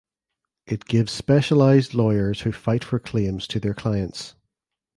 It gives specialized lawyers who fight for claims to their clients.